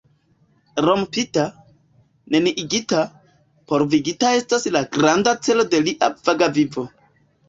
Rompita, neniigita, polvigita estas la granda celo de lia vaga vivo.